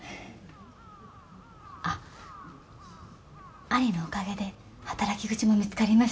あっ兄のおかげで働き口も見つかりました。